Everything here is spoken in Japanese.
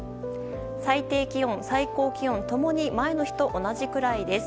最低気温、最高気温共に前の日と同じくらいです。